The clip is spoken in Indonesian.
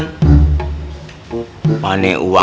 nyumbang buat anak yatim itung itungan